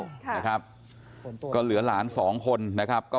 พี่สาวอายุ๗ขวบก็ดูแลน้องดีเหลือเกิน